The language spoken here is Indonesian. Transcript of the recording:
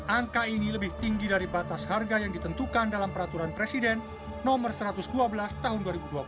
angka ini lebih tinggi dari batas harga yang ditentukan dalam peraturan presiden no satu ratus dua belas tahun dua ribu dua puluh